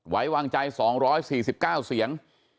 ไว้วางใจ๒๔๙เสียง